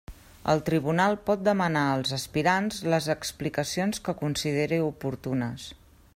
El tribunal pot demanar als aspirants les explicacions que consideri oportunes.